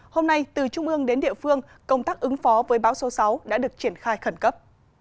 hôm nay từ trung ương đến địa phương công tác ứng phó với bão số sáu đã được triển khai khẩn cấp